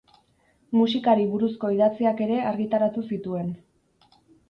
Musikari buruzko idatziak ere argitaratu zituen.